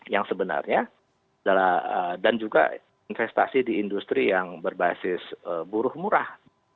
yang sebenarnya dan juga investasi di industri yang berbasis buruh murah